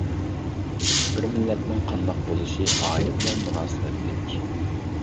بىر مىللەتنىڭ قانداق بولۇشى ئائىلە بىلەن مۇناسىۋەتلىك.